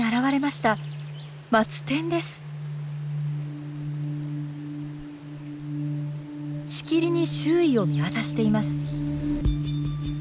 しきりに周囲を見渡しています。